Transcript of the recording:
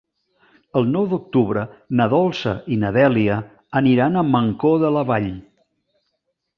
El nou d'octubre na Dolça i na Dèlia aniran a Mancor de la Vall.